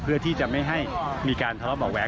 เพื่อที่จะไม่ให้มีการทะเลาะเบาะแว้